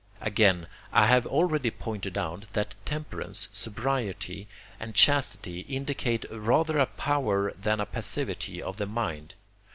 Again, I have already pointed out, that temperance, sobriety, and chastity indicate rather a power than a passivity of the mind.